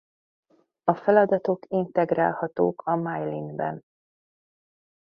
A feladatok integrálhatók a Mylyn-ben.